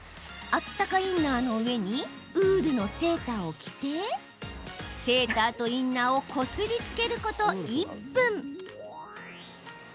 あったかインナーの上にウールのセーターを着てセーターとインナーをこすりつけること１分。